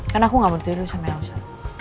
karena aku ga berdua dulu sama elsa